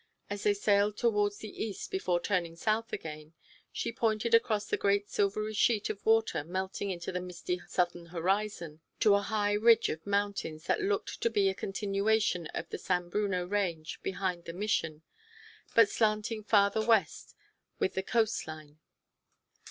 As they sailed toward the east before turning south again, she pointed across the great silvery sheet of water melting into the misty southern horizon, to a high ridge of mountains that looked to be a continuation of the San Bruno range behind the Mission, but slanting farther west with the coast line.